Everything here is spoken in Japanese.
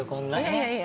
いやいや。